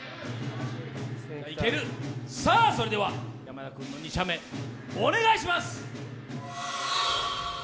それでは山田君の２射目お願いします！